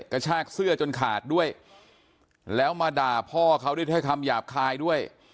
กระชากเสื้อจนขาดด้วยแล้วมาด่าพ่อเขาด้วยคำหยาบคายด้วย